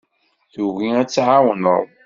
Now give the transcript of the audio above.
Tugi ad tt-ɛawneɣ.